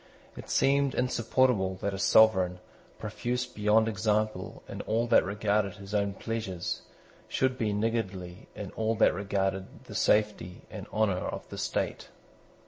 It seemed insupportable that a sovereign, profuse beyond example in all that regarded his own pleasures, should be niggardly in all that regarded the safety and honour of the state.